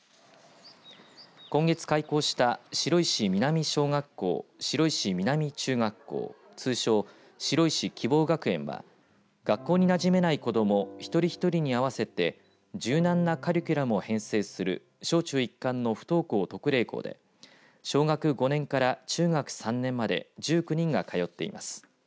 今月開校した白石南小学校・白石南中学校通称白石きぼう学園は学校になじめない子ども一人一人に合わせて柔軟なカリキュラムを編成する小中一貫の不登校特例校で小学５年から中学３年まで１９人が通っています。